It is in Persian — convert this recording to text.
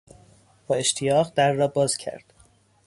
با اشتیاق در را باز کرد.